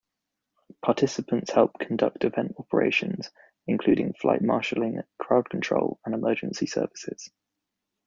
Participants help conduct event operations, including flight marshaling, crowd control, and emergency services.